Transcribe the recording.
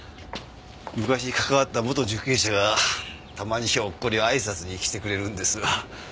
昔関わった元受刑者がたまにひょっこりあいさつに来てくれるんですわ。